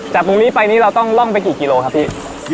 ตรงนี้ไปนี่เราต้องล่องไปกี่กิโลครับพี่